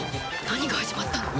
何が始まったの？